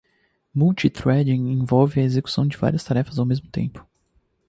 Multithreading envolve a execução de várias tarefas ao mesmo tempo.